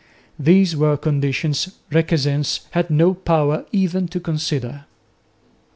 These were conditions Requesens had no power even to consider.